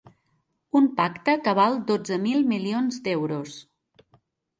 Un pacte que val dotze mil milions d’euros.